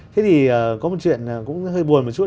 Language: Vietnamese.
thế thì có một chuyện cũng hơi buồn một chút